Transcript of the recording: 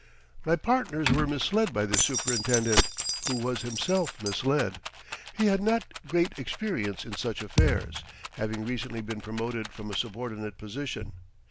My partners were misled by this superintendent, who was himself misled. He had not had great experience in such affairs, having recently been promoted from a subordinate position.